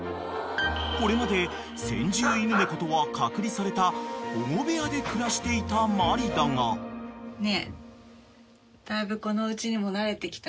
［これまで先住犬猫とは隔離された保護部屋で暮らしていたマリだが］ＯＫ？